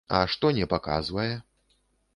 А што не паказвае?